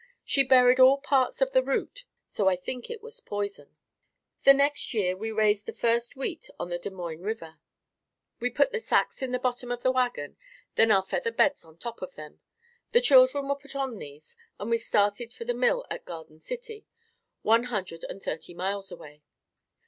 She buried all parts of the root, so I think it was poison. The next year we raised the first wheat on the Des Moines River. We put the sacks in the bottom of the wagon, then our feather beds on top of them. The children were put on these and we started for the mill at Garden City, one hundred and thirty miles away.